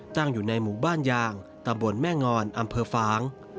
อยู่ในหมู่บ้านยางตำบลแม่งอนอำเภอฟาง